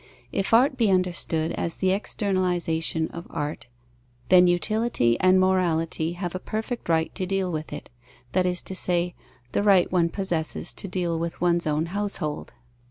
If art be understood as the externalization of art, then utility and morality have a perfect right to deal with it; that is to say, the right one possesses to deal with one's own household.